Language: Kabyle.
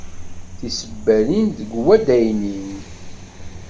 Tisebbalin deg waddaynin.